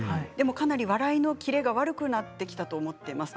かなり笑いのキレが悪くなってきたと思っています。